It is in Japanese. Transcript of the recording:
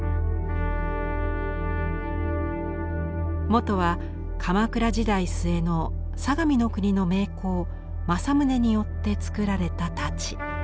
元は鎌倉時代末の相模国の名工正宗によって作られた太刀。